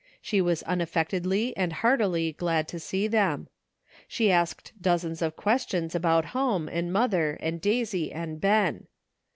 She was unaffectedly and heartily glad to see them. She asked dozens of questions about home and mother and Daisy and Ben.